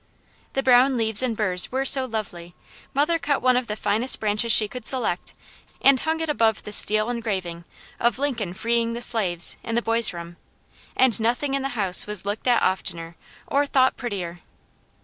The brown leaves and burrs were so lovely, mother cut one of the finest branches she could select and hung it above the steel engraving of "Lincoln Freeing the Slaves," in the boys' room, and nothing in the house was looked at oftener, or thought prettier.